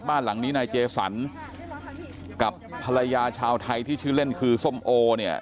บ้านหลังนี้นายเจสันกับภรรยาชาวไทยที่ชื่อเล่นคือส้มโอเนี่ย